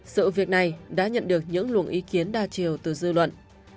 sự việc này đã nhận được những luồng ý kiến đa chiều từ dư luận